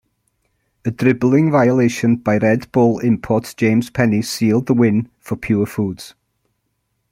A dribbling violation by Red Bull import James Penny sealed the win for Purefoods.